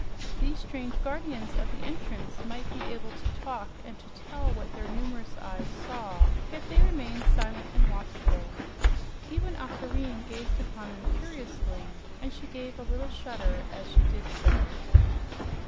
These strange guardians of the entrance might be able to tell what their numerous eyes saw, yet they remained silent and watchful. Even Aquareine gazed upon them curiously, and she gave a little shudder as she did so.